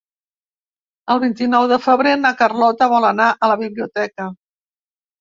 El vint-i-nou de febrer na Carlota vol anar a la biblioteca.